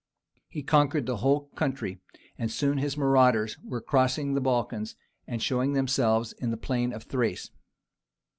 He conquered the whole country, and soon his marauders were crossing the Balkans and showing themselves in the plain of Thrace.